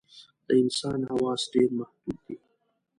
د انسان حواس ډېر محدود دي.